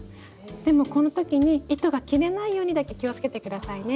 でもこの時に糸が切れないようにだけ気をつけて下さいね。